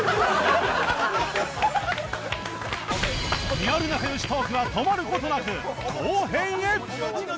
リアル仲良しトークは止まる事なく後編へ